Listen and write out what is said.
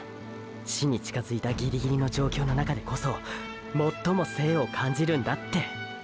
死に近づいたギリギリの状況の中でこそ最も「生」を感じるんだって。